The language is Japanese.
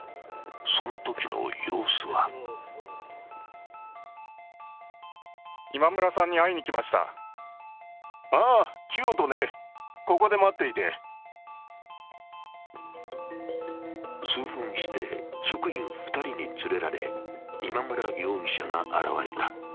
そのときの様子は数分して、職員２人に連れられ今村容疑者が現れた。